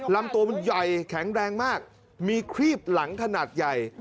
ลำตัวมันใหญ่แข็งแรงมากมีครีบหลังขนาดใหญ่